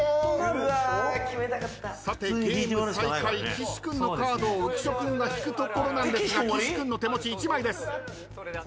岸君のカードを浮所君が引くところなんですが岸君の手持ち１枚です。